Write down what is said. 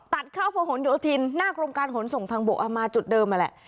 ตัดเข้าพระหลโยธินหน้ากรมการขนส่งทางบกเอามาจุดเดิมนั่นแหละ